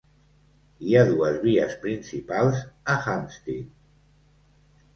Hi ha dues vies principals a Hampstead.